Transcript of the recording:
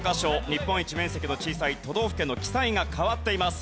日本一面積の小さい都道府県の記載が変わっています。